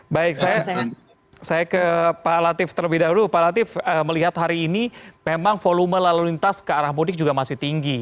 baik saya ke pak latif terlebih dahulu pak latif melihat hari ini memang volume lalu lintas ke arah mudik juga masih tinggi